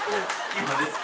今ですか？